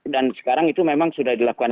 dan sekarang itu memang sudah dilakukan